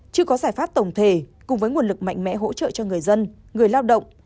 chưa có giải pháp tổng thể cùng với nguồn lực mạnh mẽ hỗ trợ cho người dân người lao động